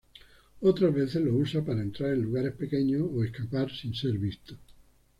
Otras veces lo usa para entrar en lugares pequeños o escapar sin ser visto.